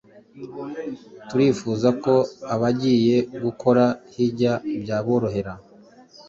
Turifuza ko abagiye gukora Hijja byaborohera,